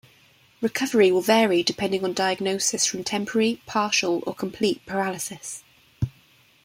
Recovery will vary depending on diagnosis from temporary, partial or complete paralysis.